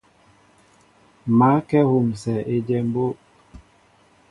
Ma kɛ wusɛ awem mbóʼ.